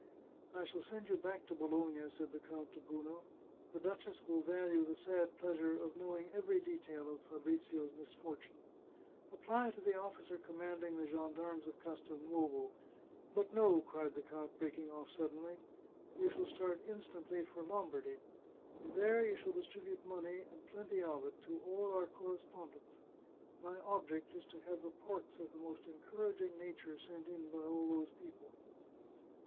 " I shall send you back to Bologna," said the count to Bruno. " The duchess will value the sad pleasure of know ing every detail of Fabrizio's misfortune. Apply to the officer commanding the gendarmes at Castelnovo "" But, no !" cried the count, breaking off suddenly. " You shall start instantly for Lombardy, and there you shall distribute money, and plenty of it, to all our correspondents. My object is to have reports of the most encouraging na ture sent in by all those people."